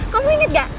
kamu inget gak